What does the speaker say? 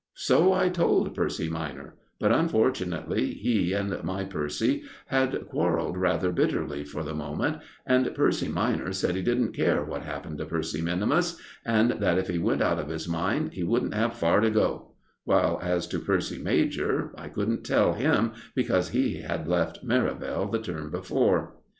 So I told Percy minor; but unfortunately he and my Percy had quarrelled rather bitterly for the moment, and Percy minor said he didn't care what happened to Percy minimus; and that if he went out of his mind he wouldn't have far to go; while, as to Percy major, I couldn't tell him, because he had left Merivale the term before.